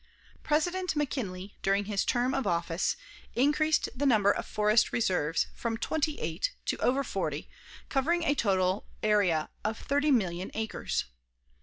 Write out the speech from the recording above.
President McKinley, during his term of office, increased the number of forest reserves from 28 to over 40, covering a total area of 30,000,000 acres.